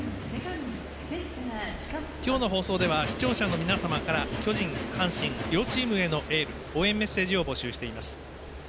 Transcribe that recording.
今日の放送では視聴者の皆様から巨人、阪神、両チームへのエール応援メッセージを募集しています。